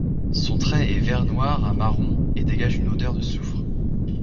Son trait est vert-noir à marron et dégage une odeur de soufre.